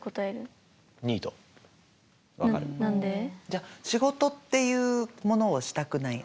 じゃあ仕事っていうものをしたくない？